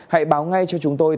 hãy báo ngay cho chúng tôi